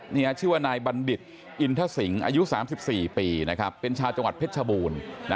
นี่ชื่อว่านายบัณฑิตอินทสิงศ์อายุ๓๔ปีเป็นชาวจังหวัดเพชรชบูรณ์